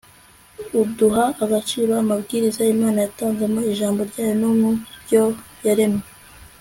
udaha agaciro amabwiriza imana yatanze mu ijambo ryayo no mu byo yaremye